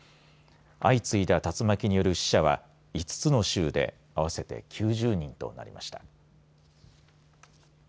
相次いだ竜巻による死者は５つの州で合わせて９０人となりました。